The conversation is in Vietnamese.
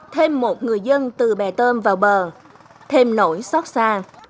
thêm một người dân từ bè tôm vào bờ thêm nổi xót xa